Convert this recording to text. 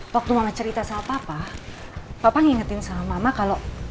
waktu mama cerita sama papa ngingetin sama mama kalau